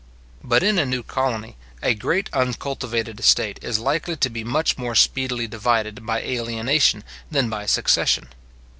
But, in a new colony, a great uncultivated estate is likely to be much more speedily divided by alienation than by succession.